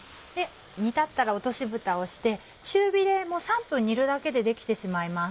煮立ったら落としぶたをして中火で３分煮るだけでできてしまいます。